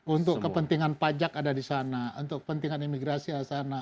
untuk kepentingan pajak ada di sana untuk kepentingan imigrasi ada di sana